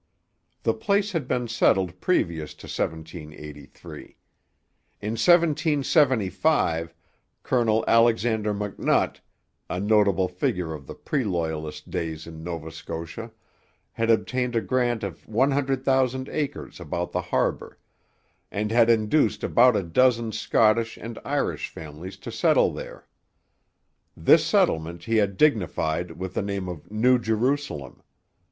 The place had been settled previous to 1783. In 1775 Colonel Alexander McNutt, a notable figure of the pre Loyalist days in Nova Scotia, had obtained a grant of 100,000 acres about the harbour, and had induced about a dozen Scottish and Irish families to settle there. This settlement he had dignified with the name of New Jerusalem.